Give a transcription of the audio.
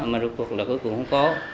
mà rụt cuộc là cuối cùng không có